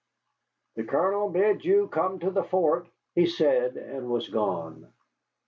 "The Colonel bids you come to the fort," he said, and was gone.